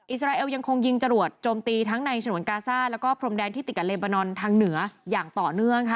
อิสราเอลยังคงยิงจรวดโจมตีทั้งในฉนวนกาซ่าแล้วก็พรมแดนที่ติดกับเลบานอนทางเหนืออย่างต่อเนื่องค่ะ